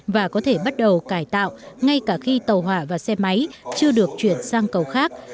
và có thể bắt đầu cải tạo ngay cả khi tàu hỏa và xe máy chưa được chuyển sang cầu khác